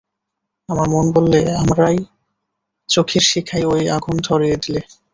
আমার মন বললে, আমারই চোখের শিখায় এই আগুন ধরিয়ে দিলে।